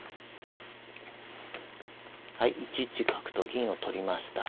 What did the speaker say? はい１一角と銀を取りました。